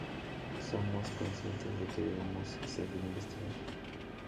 somos conscientes de que debemos seguir investigando.